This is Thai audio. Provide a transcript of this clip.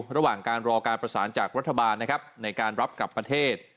ระหว่างการรอการประสานจากรัฐบาลนะครับในการรับกลับประเทศ